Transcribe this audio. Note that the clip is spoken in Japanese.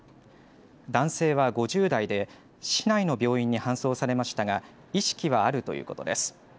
男性は５０代で、市内の病院に搬送されましたが、意識はあるということです。